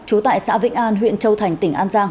trú tại xã vĩnh an huyện châu thành tỉnh an giang